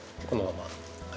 このまま。